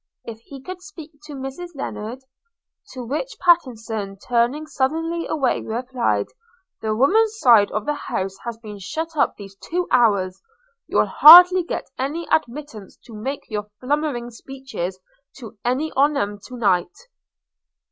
if he could speak to Mrs Lennard? To which Pattenson, turning sullenly away, replied, 'The women's side of the house has been shut up these two hours – you'll hardly get any admittance to make your flummering speeches to any on 'em to night.'